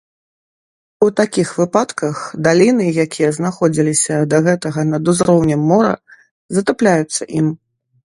У такіх выпадках, даліны, якія знаходзіліся да гэтага над узроўнем мора, затапляюцца ім.